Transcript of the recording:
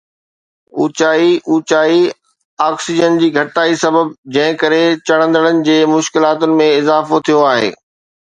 اوچائي اوچائي آڪسيجن جي گھٽتائي سبب. جنهن ڪري چڙهندڙن جي مشڪلاتن ۾ اضافو ٿيو آهي